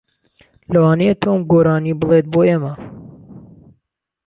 لەوانەیە تۆم گۆرانی بڵێت بۆ ئێمە.